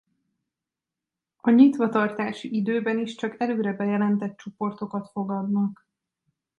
A nyitvatartási időben is csak előre bejelentett csoportokat fogadnak.